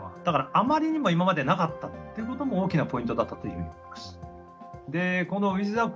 だからあまりにも今までなかったってことも大きなポイントだったというふうに思います。